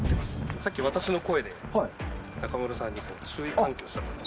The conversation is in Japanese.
さっき私の声で中丸さんに注意喚起をしたんです。